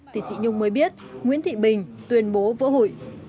thì chị nhung mới biết nguyễn thị bình tuyên bố vỡ hụi